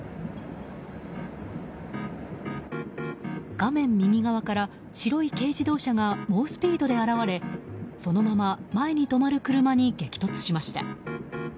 画面右側から白い軽自動車が猛スピードで現れそのまま前に止まる車に激突しました。